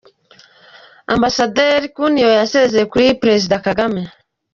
Ambasaderi Kuniyo yasezeye kuri Perezida Kagame